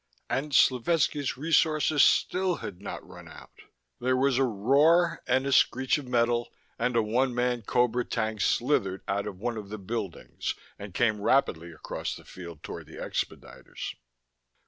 And Slovetski's resources still had not run out. There was a roar and a screech of metal, and a one man cobra tank slithered out of one of the buildings and came rapidly across the field toward the expediters.